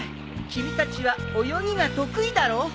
君たちは泳ぎが得意だろう？